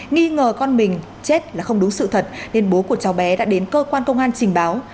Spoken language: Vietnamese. nghĩ ngờ con mình chết là không đúng sự thật nên bố của cháu bé đã đến cơ quan công an trình báo